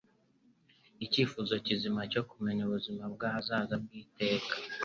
icyifuzo kizima cyo kumenya ubuzima bw'ahazaza bw'iteka